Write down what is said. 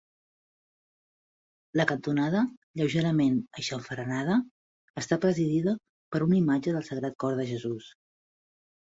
La cantonada, lleugerament aixamfranada, està presidida per una imatge del Sagrat Cort de Jesús.